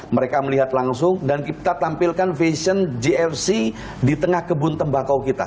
mereka melihat langsung dan kita tampilkan fashion gfc di tengah kebun tembakau kita